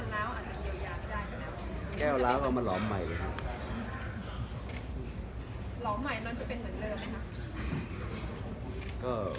หลอมใหม่ฉันจะเป็นเหมือนเริ่มไหมคะ